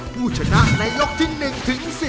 ผู้ชนะในยกที่๑ถึง๑๐